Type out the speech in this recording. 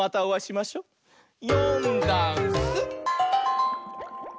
「よんだんす」